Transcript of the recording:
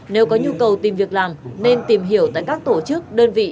nếu có nhu cầu tìm việc làm nên tìm hiểu tại các tổ chức đơn vị